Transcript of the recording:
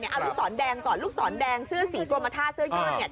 เอาลูกศรแดงก่อนลูกศรแดงเสื้อสีกรมท่าเสื้อยืดเนี่ย